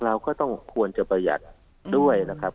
เราก็ต้องควรจะประหยัดด้วยนะครับ